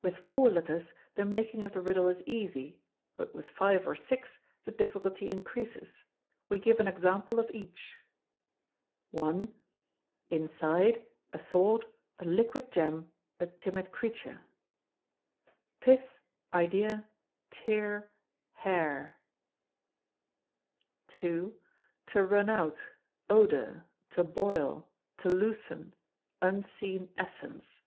With four letters the making of the riddle is easy, but with five or six the difficulty increases. We give an example of each. i. Inside, a thought, a liquid gem, a timid creature. ii. To run out, odour, to boil, to loosen, unseen essence.